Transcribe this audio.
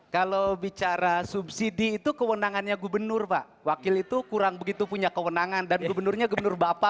kalau bicara subsidi itu kewenangannya gubernur pak wakil itu kurang begitu punya kewenangan dan gubernurnya gubernur bapak